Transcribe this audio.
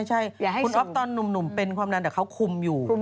ใช่คุณอ๊อฟตอนหนุ่มเป็นความดันแต่เขาคุมอยู่